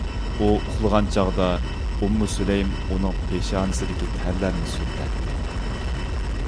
ئۇ ئۇخلىغان چاغدا، ئۇممۇ سۇلەيم ئۇنىڭ پېشانىسىدىكى تەرلەرنى سۈرتەتتى.